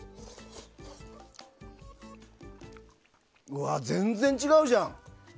うわ、全然違うじゃん！